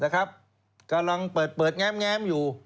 กำลังเปิดแง้มอยู่